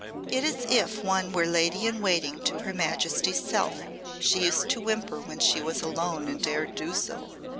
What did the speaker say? "It is as if one were lady in waiting to her Majesty's self," she used to whimper when she was alone and dare do so.